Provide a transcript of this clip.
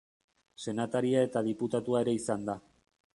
Senataria eta diputatua ere izan da.